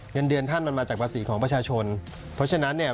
เงินเดือนท่านมันมาจากภาษีของประชาชนเพราะฉะนั้นเนี่ย